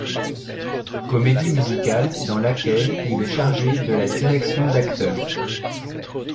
Comédie Musicale dans laquelle il est chargé de la direction d'acteurs.